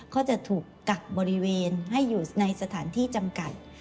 ก็จะถูกกักบริเวณให้อยู่ในสถานที่จำกัด